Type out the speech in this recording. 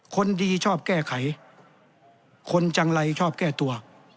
คนดีชอบแก้ไขคนจังไรชอบแก้ตัว